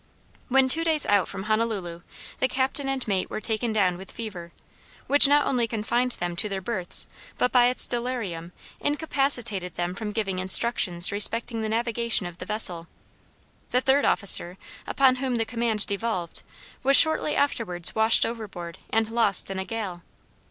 When two days out from Honolulu, the captain and mate were taken down with fever, which not only confined them, to their berths, but by its delirium incapacitated them from giving instructions respecting the navigation of the vessel. The third officer, upon whom the command devolved, was shortly afterwards washed overboard and lost in a gale.